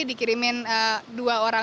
dikirimin dua orang